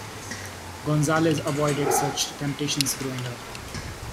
Gonzalez avoided such temptations growing up.